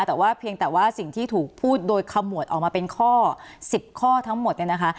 แต่ว่าเพียงแต่ว่าสิ่งที่ถูกพูดโดยขมวดออกมาเป็นข้อ๑๐ข้อทั้งหมดเนี่ยนะคะ